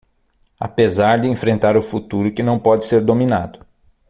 Apesar de enfrentar o futuro que não pode ser dominado